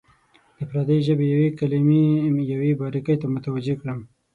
د پردۍ ژبې یوې کلمې یوې باریکۍ ته متوجه کړم.